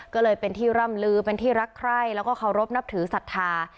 ก็เลยเป็นที่ร่ำลือเป็นที่รักใคร่แล้วก็เคารพนับถือศรัทธา